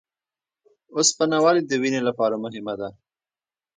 اوسپنه ولې د وینې لپاره مهمه ده؟